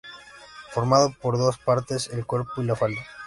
Formado por dos partes: el cuerpo y la falda.